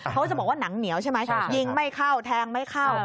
เขาจะบอกว่าหนังเหนียวใช่ไหมยิงไม่เข้าแทงไม่เข้า